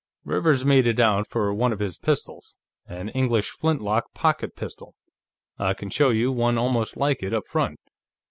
"Rivers made it out for one of his pistols. An English flintlock pocket pistol; I can show you one almost like it, up front.